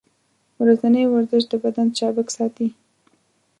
ورځنی ورزش د بدن چابک ساتي.